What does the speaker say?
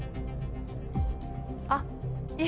あっ。